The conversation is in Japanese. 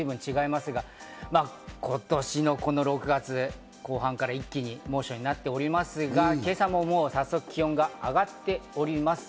今年の６月後半から一気に猛暑になっておりますが、今朝も早速気温が上がっております。